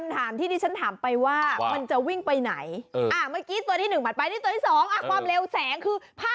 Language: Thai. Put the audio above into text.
ตัวที่หนึ่งเดินไปน้ำหน้า